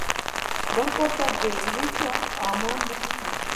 بل خواته د هیچا امان نشته.